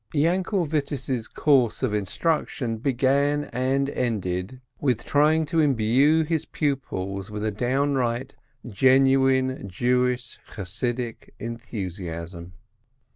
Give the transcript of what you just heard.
Yainkel 224 LERNER Vittiss's course of instruction began and ended with trying to imbue his pupils with a downright, genuine, Jewish Chassidic enthusiasm.